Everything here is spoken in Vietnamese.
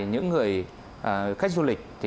những người khách du lịch